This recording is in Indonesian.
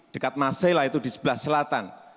dekat masela itu di sebelah selatan